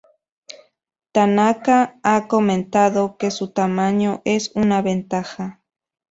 Tanaka ha comentado que su tamaño "es una ventaja".